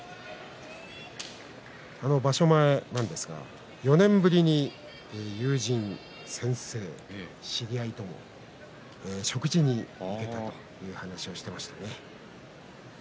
場所前なんですが４年ぶりに友人、先生知り合いとも食事に行けたという話をしていましたね。